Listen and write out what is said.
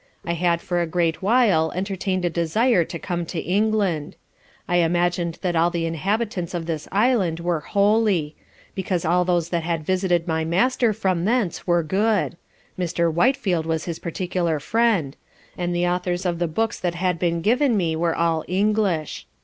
I had for a great while entertain'd a desire to come to England. I imagined that all the Inhabitants of this Island were Holy; because all those that had visited my Master from thence were good, (Mr. Whitefield was his particular friend) and the authors of the books that had been given me were all English.